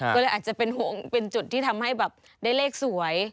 ก็เลยอาจจะเป็นจุดที่ทำให้ได้เลขสวย